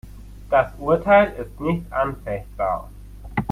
Das Urteil ist nicht anfechtbar.